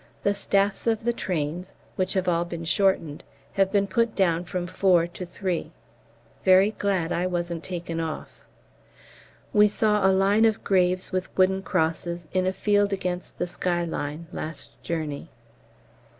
The staffs of the trains (which have all been shortened) have been put down from four to three. Very glad I wasn't taken off. We saw a line of graves with wooden crosses, in a field against the skyline, last journey.